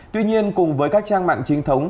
tuy nhiên cùng với các trang mạng chính thống